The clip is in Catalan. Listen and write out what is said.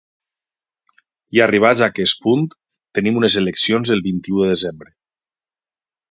I arribats a aquest punt tenim unes eleccions el vint-i-u de desembre.